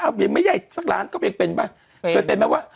เอ้ายังไม่ใหญ่สักล้านก็เป็นแปลกเป็นไหมวะ